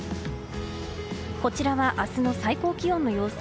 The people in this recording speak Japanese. こちらは明日の最高気温の様子。